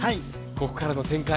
ここからの展開